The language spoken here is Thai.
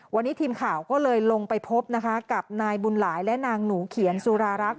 วันนี้ทีมข่าวก็เลยลงไปพบนะคะกับนายบุญหลายและนางหนูเขียนสุรารักษ